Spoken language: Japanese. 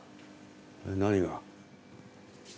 何が？